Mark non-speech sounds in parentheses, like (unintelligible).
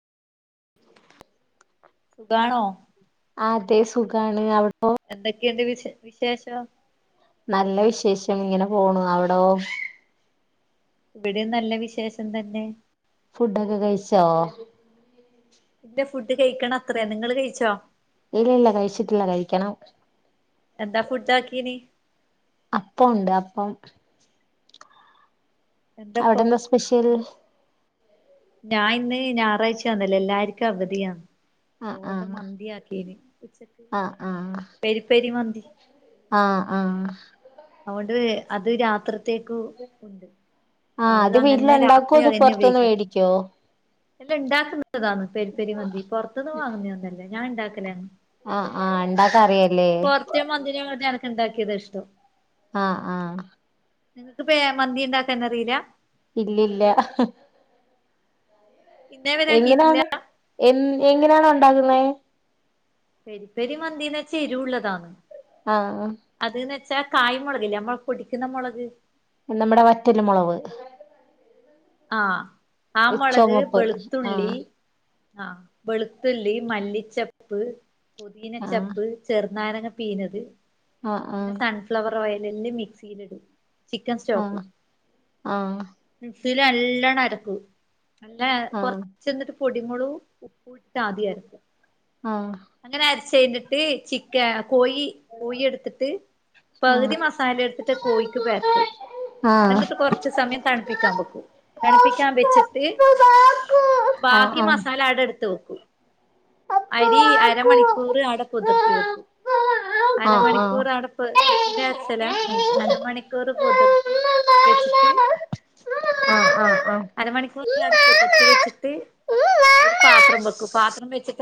(inaudible) ഗാണോ ആതെ സുഖാണ് അവിടൊ എന്തൊക്കെയുണ്ട് വിശ വിശേഷം നല്ല വിശേഷം ഇങ്ങനെ പോണു അവ്ടോ ഇവിടെം നല്ല വിശേഷം തന്നെ ഫുഡൊക്കെ കഴിച്ചോ ഇല്ല ഫുഡ് കഴിക്കണം അത്രയാ നിങ്ങള് കഴിച്ചോ ഇല്ല ഇല്ല കഴിച്ചിട്ടില്ല കഴിക്കണം. എന്താ ഫുഡ് ആക്കീനി അപ്പോ ഉണ്ട് അപ്പം. എന്താപ്പൊ അവിടെ എന്നാ സ്പെഷ്യൽ. ഞാൻ ഇന്ന് ഞായറാഴ്ച്ചാന്നല്ലോ എല്ലാർക്കും അവധിയാ. ആ ആ അവുകൊണ്ട് മന്തിയാക്കിയന് ഉച്ചക്ക് ആ ആ പെരിപ്പരി മന്തി. ആ ആ അവുകൊണ്ട് അത് രാത്രി ത്തേക്ക് ഉണ്ട്. ആ അത് വീട്ടില് അങ്ങനെ ഉണ്ടാക്കോ രാത്രി അത് അതന്നെ പുറത്തുന്ന് ഉപയോഗിക്ക. മേടിക്കോ അല്ല ഇണ്ടാക്കുന്നതാണ് തെരിതെരി മന്തി. പുറത്തുനിന്ന് വാങ്ങുന്നതൊന്നല്ല ഞാൻ ഇണ്ടാക്കലന്നെ. ആ ആ ണ്ടാക്ക അറിയല്ലേ മറ്റെ മന്തിനെകാട്ടി എനക്ക്ണ്ടാക്കിയതാ ഇഷ്ടം. ആ ആ നിങ്ങക്ക് പേ മന്തി ണ്ടാക്കാന്നറില്ലാ ഇല്ലില്ല. ഇന്നേ വരെ ആക്കിയിട്ടില്ല എങ്ങനെണ് എ എങ്ങനെണ് ഉണ്ടാക്കുന്നെ തെരി തെരിമന്തീന്ന് വെച്ച എരുവു ള്ളതാാണ്. ആ അ അത് ന്ന് വെച്ചാ കായ് മുളക്ല്ലേ നമ്മൾ പൊടിക്കുന്ന മുളക്. നിമ്മടെ വറ്റൽ മുളവ് ആ ആ മുളക് ചുമപ്പ് ആ വെളുത്തുള്ളി ആ വെളുത്തുള്ളി മല്ലിച്ചപ്പ് ആ പുദീനച്ചപ്പ് ചെറുനാരങ്ങ പീനത് ആ ആ പിന്നെ സൺഫ്ലവർ ഓയില് മിക്സിയില്ടും. ആ ആ മിക്സില് നല്ലണം അരപ്പ (inaudible) നല്ല ആഹ് കൊറച്ചെന്നിട്ട് പൊടിമള (unintelligible) ട്ട് ആദ്യരക്കും ആഹ് അങ്ങനെ അരച്ചയിഞ്ഞിട്ട് ചിക്കെ കോയി കോഴി എടുത്തിട്ട് പകുതി ആഹ് മസാല എടുത്തിട്ട് കോഴിക്ക് പെര്ട്ടും ആഹ് ആഹ് എന്നിട്ട് കൊറച്ച് സമയം തണുപ്പിക്കാൻ ബെക്കും തണുപ്പിക്കാൻ വെച്ചിട്ട് ആഹ് ആഹ് ബാക്കി മസാല അവടെടുത്ത് വെക്കും അരി അരമണിക്കൂറ് അവ്ടെ പുതിർത്തി വെക്കും ആഹ് അരമണിക്കൂർ അവ്ടപ്പ് (unintelligible) ട്ടിട്ട് അര്ച്ചലാ അരമണിക്കൂർ പുതിർത്തി വെച്ചിട്ട് ആഹ് ആഹ് ആഹ് അരമണിക്കൂറ (unintelligible) ലവ്ടെ പൊതിർത്തി വെച്ചിട്ട് ഒരു പാത്രം വെക്കും ആഹ് പാത്രം വെച്ചിട്ട്